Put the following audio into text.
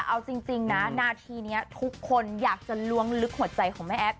เอาจริงนะนาทีนี้ทุกคนอยากจะล้วงลึกหัวใจของแม่แอฟ